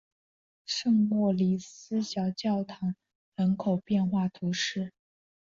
圣莫里斯小教堂人口变化图示